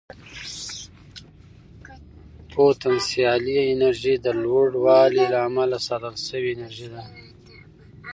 پوتنسیالي انرژي د لوړوالي له امله ساتل شوې انرژي ده.